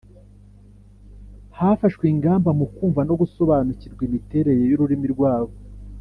Hafashwe ingamba mu kumva no gusobanukirwa imiterere y’ururimi rwabo